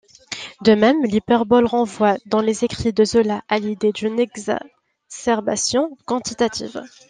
De même, l'hyperbole renvoie dans les écrits de Zola à l'idée d'une exacerbation quantitative.